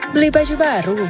beli baju baru